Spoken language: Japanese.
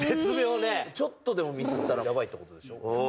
ちょっとでもミスったらヤバいってことでしょ。